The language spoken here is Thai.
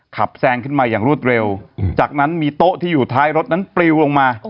แซงขึ้นมาอย่างรวดเร็วจากนั้นมีโต๊ะที่อยู่ท้ายรถนั้นปลิวลงมา